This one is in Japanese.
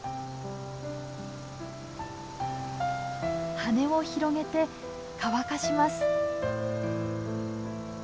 羽を広げて乾かします。